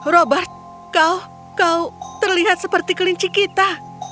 robert kau kau terlihat seperti kelinci kita